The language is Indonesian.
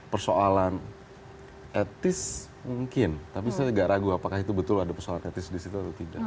persoalan etis mungkin tapi saya tidak ragu apakah itu betul ada persoalan etis di situ atau tidak